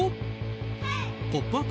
「ポップＵＰ！」